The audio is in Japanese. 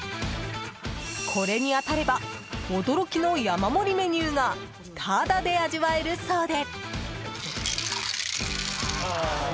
これに当たれば驚きの山盛りメニューがタダで味わえるそうで。